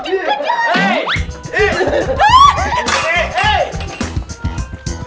om jin kejar